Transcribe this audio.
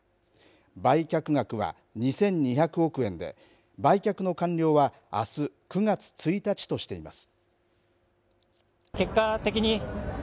売却額は２２００億円で売却の完了はあす９月１日としています。